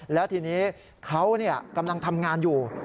แล้วทีนี้เขากำลังทำงานอยู่